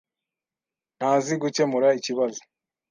Ntazi gukemura ikibazo.